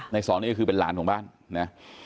สองนี่ก็คือเป็นหลานของบ้านนะ